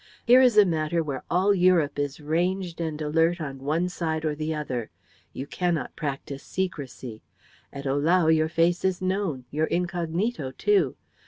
Here is a matter where all Europe is ranged and alert on one side or the other. You cannot practise secrecy. At Ohlau your face is known, your incognito too. Mr.